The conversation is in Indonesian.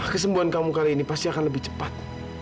kesembuhan kamu kali ini pasti akan lebih cepat